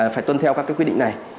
phải tuân theo các cái quy định này